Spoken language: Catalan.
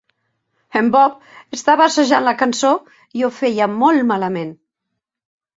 En Bob estava assajant la cançó, i ho feia molt malament.